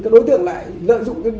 đối tượng lại lợi dụng